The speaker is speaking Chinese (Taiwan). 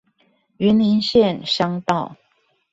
雲林縣鄉道